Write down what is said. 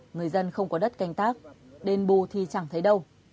người dân không có đất canh tác đền bù thì chẳng thấy đâu